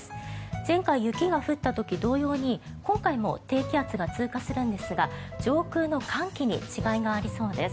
前回、雪が降った時同様に今回も低気圧が通過するんですが上空の寒気に違いがありそうです。